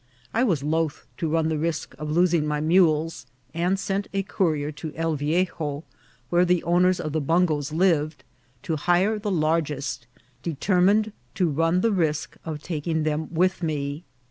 I was loth to run the risk of losing my mules, and sent a courier to El Viejo, where the owners of the bungoes lived, to hire the largest, determined to run the risk of taking them with me.